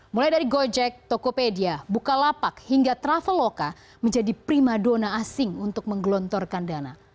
mulai dari gojek tokopedia bukalapak hingga traveloka menjadi prima dona asing untuk menggelontorkan dana